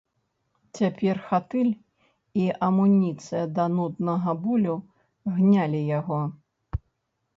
Цяпер хатыль і амуніцыя да нуднага болю гнялі яго.